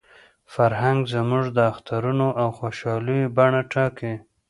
فرهنګ زموږ د اخترونو او خوشالیو بڼه ټاکي.